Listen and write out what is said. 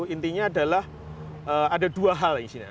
intinya adalah ada dua hal di sini